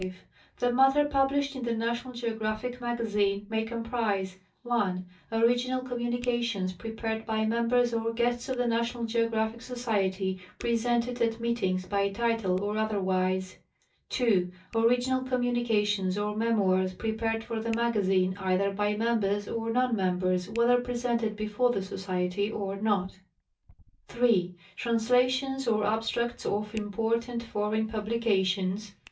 The matter published in the National Geographic Magazine, may comprise: (1) original communications prepared by members or guests of the National Geographic Society pre sented at meetings by title' or otherwise ; (2) original communica tions or memoirs prepared for the Magazine either by members or non members, whether presented before the Society or not ; (3) translations or abstracts of important foreign publications 312 National Geographic Magazine.